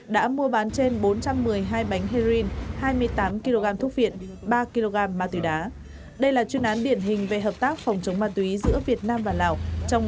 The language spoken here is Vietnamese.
đã mua bán trên bốn trăm một mươi hai bánh heroin hai mươi tám kg thuốc viện